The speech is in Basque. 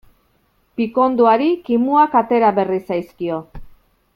Pikondoari kimuak atera berri zaizkio.